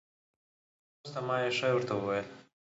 له دعاګانو وروسته ما یو شی ورته وویل.